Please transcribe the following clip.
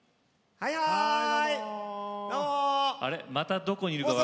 はい。